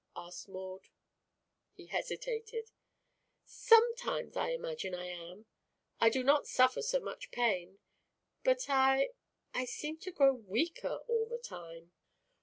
asked Maud. He hesitated. "Sometimes I imagine I am. I do not suffer so much pain, but I I seem to grow weaker all the time."